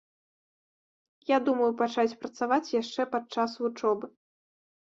Я думаю пачаць працаваць яшчэ падчас вучобы.